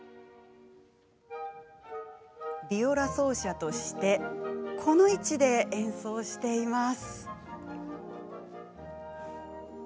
ビオラ奏者としてこの位置で演奏しています。